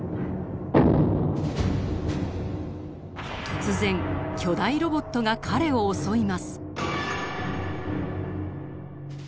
突然巨大ロボットが彼を襲います。